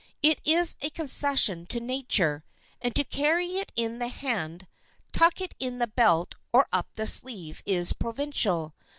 It is a concession to nature, and to carry it in the hand, tuck it in the belt or up the sleeve is provincial.